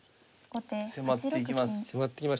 迫っていきます。